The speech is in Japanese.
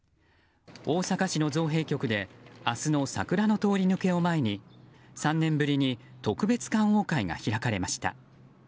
大阪市の造幣局で明日の桜の通り抜けを前に３年ぶりに特別観桜会が開かれました。